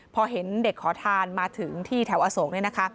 พอเห็นเด็กขอทานมาถึงที่แถวอโศกเนี่ยนะคะ